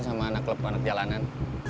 sama anak klub anak jalanan